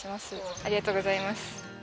ありがとうございます。